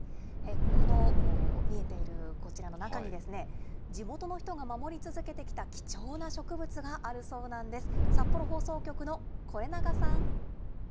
この見えているこちらの中に、地元の人が守り続けてきた貴重な植物があるそうなんです。